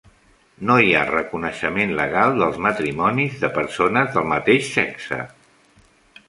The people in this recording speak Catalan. No hi ha reconeixement legal dels matrimonis de persones del mateix sexe.